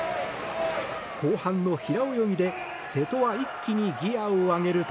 後半の平泳ぎで瀬戸は一気にギアを上げると。